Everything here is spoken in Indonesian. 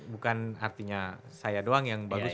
bukan artinya saya doang yang bagus